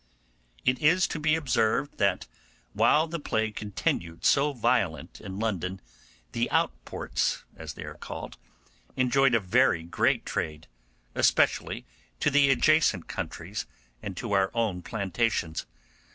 It is to be observed that while the plague continued so violent in London, the outports, as they are called, enjoyed a very great trade, especially to the adjacent countries and to our own plantations.